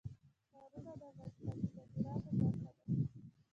ښارونه د افغانستان د صادراتو برخه ده.